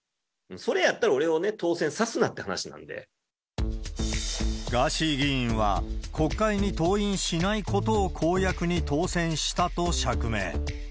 それやったら俺を当選さすなってガーシー議員は、国会に登院しないことを公約に当選したと釈明。